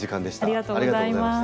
ありがとうございます。